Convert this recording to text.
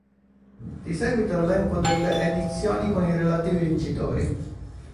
Di seguito l'elenco delle edizioni con i relativi vincitori.